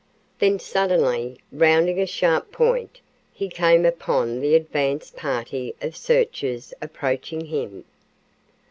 Then suddenly, rounding a sharp point he came upon the advance party of searchers approaching him.